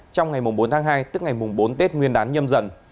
trong ngày bốn tháng hai tức ngày bốn tết nguyên đán nhâm dận